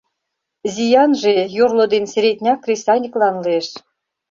Зиянже йорло ден середняк кресаньыклан лиеш.